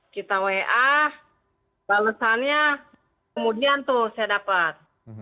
kita wa balesannya kemudian tuh saya dapat